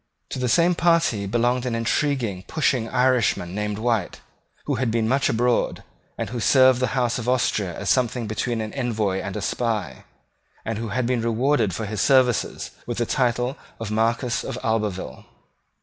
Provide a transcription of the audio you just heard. To the same party belonged an intriguing pushing Irishman named White, who had been much abroad, who had served the House of Austria as something between an envoy and a spy, and who had been rewarded for his services with the title of Marquess of Albeville.